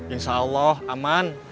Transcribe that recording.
insya allah aman